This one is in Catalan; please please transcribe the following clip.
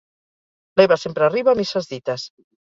L'Eva sempre arriba a misses dites.